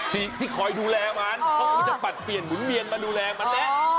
ที่คอยดูแลมันเขาคงจะปัดเปลี่ยนหมุนเวียนมาดูแลมันแหละ